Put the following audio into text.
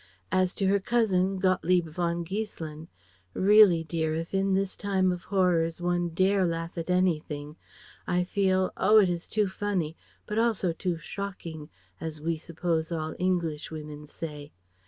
As to her cousin, Gottlieb von Giesselin "Really dear, if in this time of horrors one dare laugh at anything, I feel oh it is too funny, but also, too 'schokking,' as we suppose all English women say.